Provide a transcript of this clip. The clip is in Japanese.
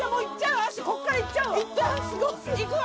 ここからいっちゃうわ！